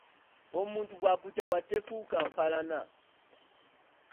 Omuntu bw'akukyawa tefuuka mpalana.